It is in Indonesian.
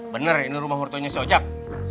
bener ini rumah hurtunya si ojak